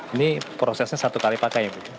ini prosesnya satu kali pakai ya bu